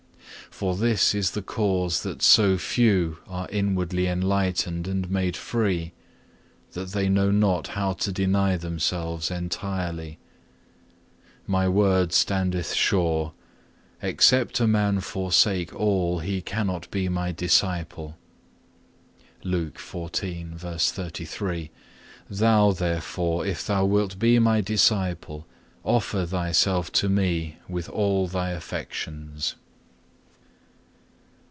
For this is the cause that so few are inwardly enlightened and made free, that they know not how to deny themselves entirely. My word standeth sure, Except a man forsake all, he cannot be My disciple.(1) Thou therefore, if thou wilt be My disciple, offer thyself to Me with all thy affections.